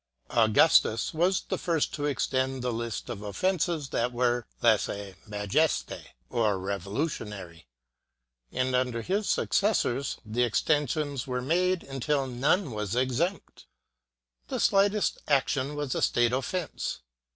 Augustus was the first to extend the list of offences that were "16se majest^" or revolutionary, and under his sue 128 DESMOUUNS cessors the extensions were made until none was exempt. The slightest action was a state offence.